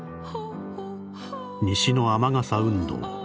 「西の雨傘運動。